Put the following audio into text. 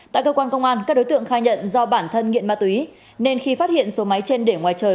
tại cơ quan công an các đối tượng khai nhận do bản thân nghiện ma túy nên khi phát hiện số máy trên để ngoài trời